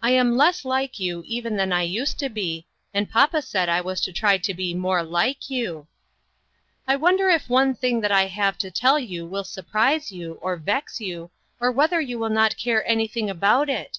"I am less like you even than I used to be, and papa said I was to try to be more like you. " I wonder if one thing that I have to tell will surprise you, or vex you, or whether you will not care anything about it?